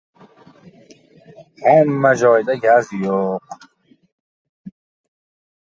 Qayg‘u – elektron, dard – elektron